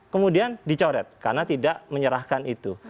kemudian dicoret karena tidak menyerahkan itu